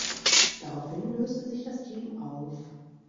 Daraufhin löste sich das Team auf.